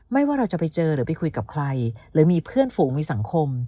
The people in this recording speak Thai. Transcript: ว่าเราจะไปเจอหรือไปคุยกับใครหรือมีเพื่อนฝูงมีสังคม